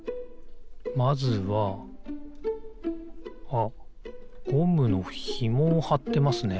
あっゴムのひもをはってますね。